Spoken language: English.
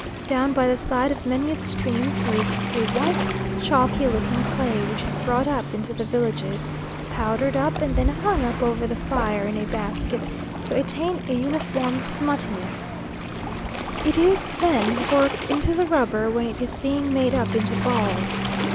Down by the side of many of the streams there is a white chalky looking clay which is brought up into the villages, powdered up, and then hung up over the fire in a basket to attain a uniform smuttiness; it is then worked into the rubber when it is being made up into balls.